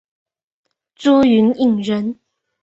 朱云影人。